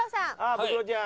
ブクロちゃん。